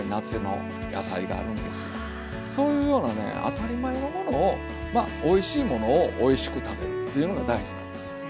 そういうようなね当たり前のものをまあおいしいものをおいしく食べるというのが大事なんですよ。